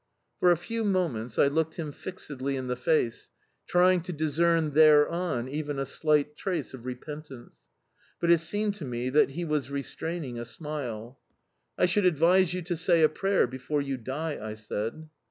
For a few moments I looked him fixedly in the face, trying to discern thereon even a slight trace of repentance. But it seemed to me that he was restraining a smile. "I should advise you to say a prayer before you die," I said.